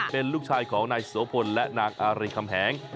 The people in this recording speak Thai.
เป็นลูกชายของนายโสพลและนางอารีคำแหง